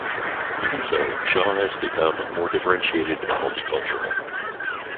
Even so, Shaw has become more differentiated and multicultural.